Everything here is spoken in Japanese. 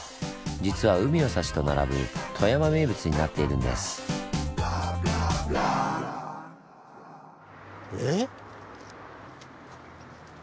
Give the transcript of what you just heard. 実は海の幸と並ぶ富山名物になっているんです。え？